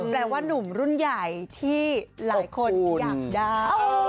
แปลว่านุ่มรุ่นใหญ่ที่หลายคนอยากได้